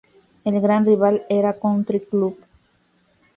El gran rival era Country Club.